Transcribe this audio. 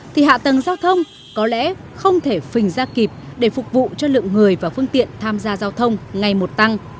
thì hạ tầng giao thông có lẽ không thể phình ra kịp để phục vụ cho lượng người và phương tiện tham gia giao thông ngày một tăng